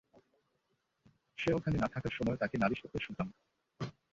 সে ওখানে না থাকার সময়েও তাকে নালিশ করতে শুনতাম।